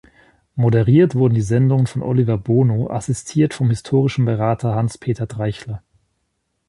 Moderiert wurden die Sendungen von Oliver Bono, assistiert vom historischen Berater Hans Peter Treichler.